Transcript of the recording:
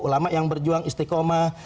ulama yang berjuang istiqomah